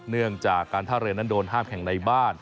เนื่องจากการท่าเรือนั้นโดนห้ามแข่งในบ้าน